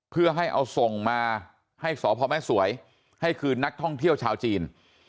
เพื่อให้เอาส่งมาให้สพแม่สวยให้คืนนักท่องเที่ยวชาวจีน